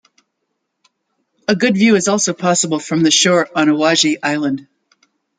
A good view is also possible from the shore on Awaji island.